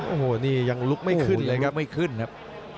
โอ้โหนี่ยังลุกไม่ขึ้นเลยครับ